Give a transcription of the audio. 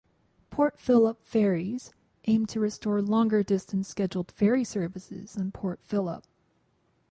Port Phillip Ferries aimed to restore longer distance scheduled ferry services on Port Phillip.